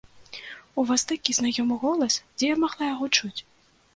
У вас такі знаёмы голас, дзе я магла яго чуць?